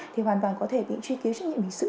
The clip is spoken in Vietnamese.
thì hoàn toàn có thể bị truy cứu trách nhiệm hình sự